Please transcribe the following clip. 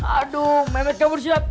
aduh mehmet kamu bersinat